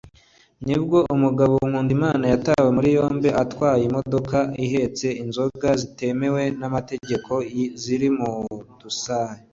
nibwo umugabo witwa Nkundimana yatawe muri yombi atwaye imodoka ihetse inzoga zitemewe n’amategeko ziri mu dusashe